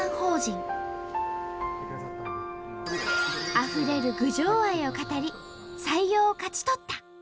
あふれる郡上愛を語り採用を勝ち取った。